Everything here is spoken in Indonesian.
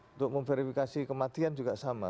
untuk memverifikasi kematian juga sama